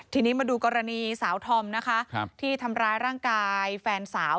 ทีนี้มาดูกรณีสาวธอมนะคะที่ทำร้ายร่างกายแฟนสาว